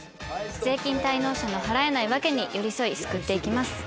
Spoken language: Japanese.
税金滞納者の払えないワケに寄り添い救っていきます。